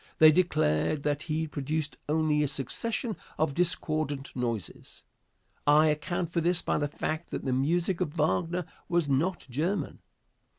They declared that he produced only a succession of discordant noises. I account for this by the fact that the music of Wagner was not German.